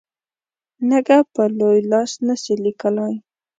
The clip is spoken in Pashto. نږه په لوی لاس نه سي لیکلای.